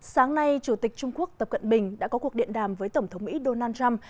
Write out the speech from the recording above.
sáng nay chủ tịch trung quốc tập cận bình đã có cuộc điện đàm với tổng thống mỹ donald trump